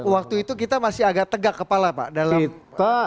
waktu itu kita masih agak tegak kepala pak dalam kancer sempat kelasnya